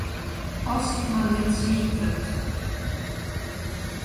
As ik mar net siik wurd!